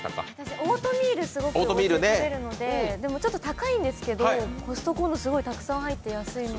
オートミール、すごくおうちで食べるので、ちょっと高いんですけどコストコのはたくさん入っていて安いので。